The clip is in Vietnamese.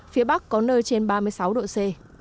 phía bắc có nơi trên ba mươi sáu độ c